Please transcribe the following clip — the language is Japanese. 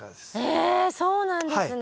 えそうなんですね。